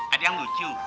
ada yang lucu